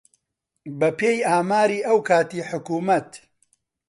بەپێی ئاماری ئەو کاتی حکوومەت